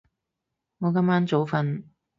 我今晚早瞓